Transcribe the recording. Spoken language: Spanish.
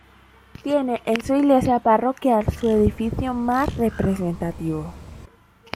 Tiene en su iglesia parroquial su edificio más representativo.